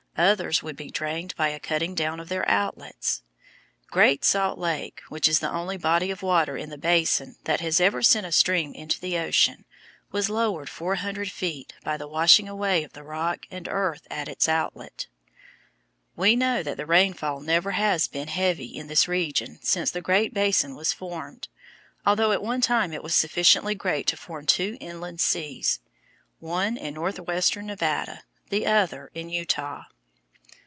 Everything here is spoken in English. Others would be drained by a cutting down of their outlets. Great Salt Lake, which is the only body of water in the Basin that has ever sent a stream to the ocean, was lowered four hundred feet by the washing away of the rock and earth at its outlet. We know that the rainfall never has been heavy in this region since the Great Basin was formed, although at one time it was sufficiently great to form two inland seas, one in northwestern Nevada, the other in Utah.